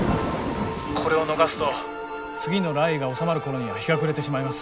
これを逃すと次の雷雨が収まる頃には日が暮れてしまいます。